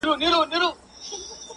تور سپى د وزگړي په بيه ورکوي.